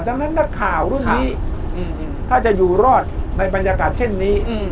ดังนั้นนักข่าวรุ่นนี้ถ้าจะอยู่รอดในบรรยากาศเช่นนี้